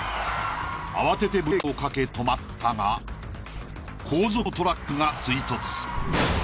慌ててブレーキをかけ止まったが後続のトラックが追突。